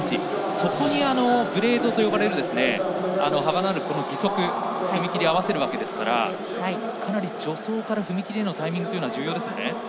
そこにブレードと呼ばれる幅のある義足踏切を合わせるのでかなり助走から踏み切りのタイミングは重要ですね。